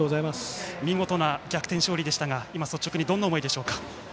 見事な逆転勝利でしたが今率直にどんな思いでしょうか？